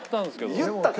言ったか？